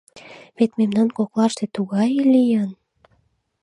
Вет мемнан коклаште тугае лийын!